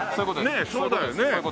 ねえそうだよね？